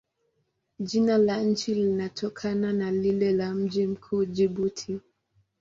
Jina la nchi linatokana na lile la mji mkuu, Jibuti.